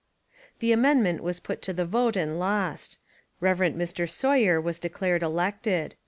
The amendment was put to the vote and lost. Rev. Mr. Sawyer was declared elected.